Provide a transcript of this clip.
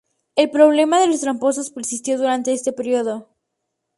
El problema de los tramposos persistió durante este período.